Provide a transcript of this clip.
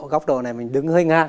góc độ này mình đứng hơi ngang